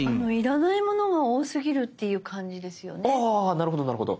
なるほどなるほど。